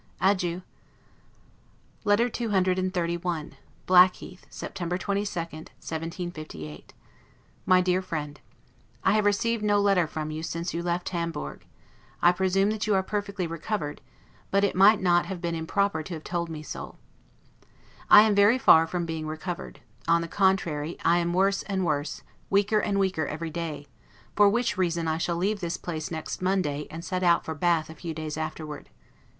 Adieu. LETTER CCXXXI BLACKHEATH, September 22, 1758 MY DEAR FRIEND: I have received no letter from you since you left Hamburg; I presume that you are perfectly recovered, but it might not have been improper to have told me so. I am very far from being recovered; on the contrary, I am worse and worse, weaker and weaker every day; for which reason I shall leave this place next Monday, and set out for Bath a few days afterward.